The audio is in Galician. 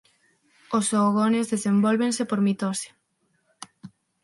Os oogonios desenvólvense por mitose.